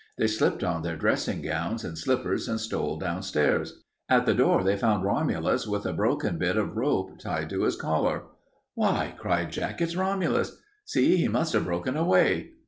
They slipped on their dressing gowns and slippers and stole downstairs. At the door they found Romulus with a broken bit of rope tied to his collar. "Why," cried Jack, "it's Romulus. See, he must have broken away."